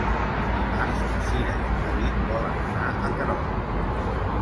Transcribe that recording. Dimarts na Cira i en David volen anar a Querol.